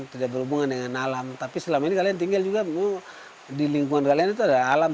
tidak berhubungan dengan alam tapi selama ini kalian tinggal juga di lingkungan kalian itu ada alam